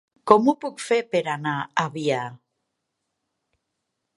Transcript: Com ho puc fer per anar a Biar?